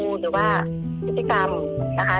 หรือว่าพฤติกรรมนะคะ